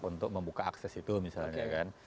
untuk membuka akses itu misalnya kan